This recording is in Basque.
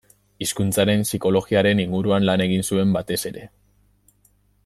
Hizkuntzaren psikologiaren inguruan lan egin zuen, batez ere.